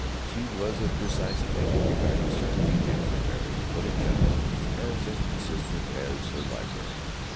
She was of precise opinion regarding certain details of marriage, but in general as inconsistent as her library.